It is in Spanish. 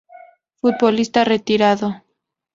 Futbolista retirado.